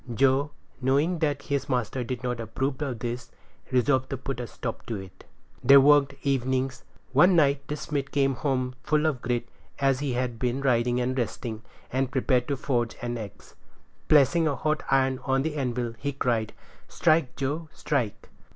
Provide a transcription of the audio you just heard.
Joe, knowing that his master did not approve of this, resolved to put a stop to it. They worked evenings. One night the smith came home full of grit, as he had been riding and resting, and prepared to forge an axe. Placing a hot iron on the anvil, he cried, "Strike, Joe, strike."